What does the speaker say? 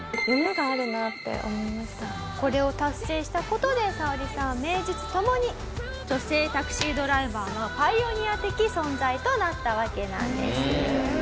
これを達成した事でサオリさんは名実ともに女性タクシードライバーのパイオニア的存在となったわけなんです。